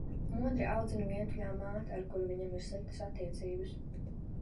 Modri audzina vientuļā māte, ar kuru viņam ir sliktas attiecības.